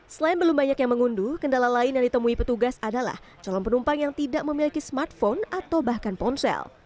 selain belum banyak yang mengunduh kendala lain yang ditemui petugas adalah calon penumpang yang tidak memiliki smartphone atau bahkan ponsel